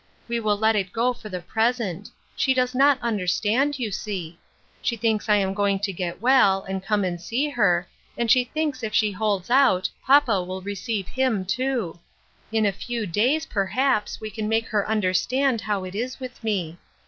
We will let it go for the present ; she does not understand, you see. She thinks I am going 268 DAYS OF PRIVILEGE. to get well, and come and see her, and she thinks if she holds out, papa will receive him, too ; in a few days, perhaps, we can make her understand how it is with me.